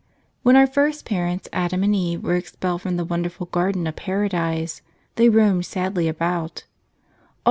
When our first parents, Adam and Eve, were expelled from the wonderful garden of Paradise, they roamed sadly about.